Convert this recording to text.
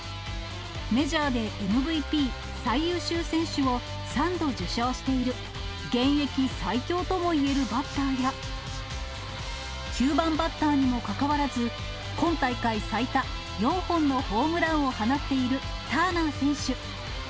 メジャーでＭＶＰ・最優秀選手を３度受賞している現役最強ともいえるバッターや、９番バッターにもかかわらず、今大会最多４本のホームランを放っているターナー選手。